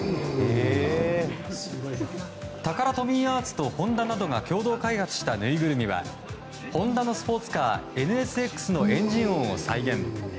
タカラトミーアーツとホンダなどが共同開発したぬいぐるみはホンダのスポーツカーＮＳＸのエンジン音を再現。